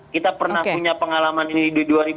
kita pernah punya pengalaman ini di dua ribu empat